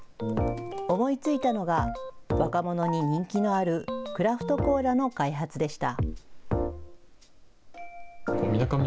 思いついたのが若者に人気のあるクラフトコーラの開発でした。